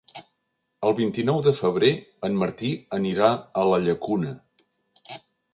El vint-i-nou de febrer en Martí anirà a la Llacuna.